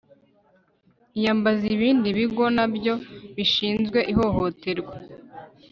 iyambaze ibindi bigo nabyo bishinzwe ihohoterwa